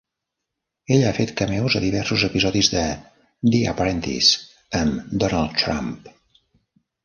Ella ha fet cameos a diversos episodis de "The Apprentice" amb Donald Trump.